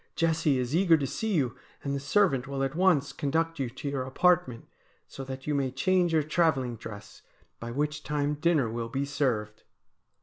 Jessie is eager to see you, and the servant will at once conduct you to your apartment, so that you may change your travelling dress, by which time dinner will be served.'